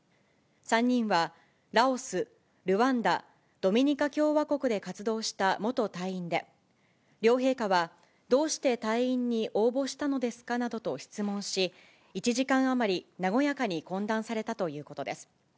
３人は、ラオス、ルワンダ、ドミニカ共和国で活動した元隊員で、両陛下はどうして隊員に応募したのですかなどと質問し、１時間余り、和やかに懇談されたということです。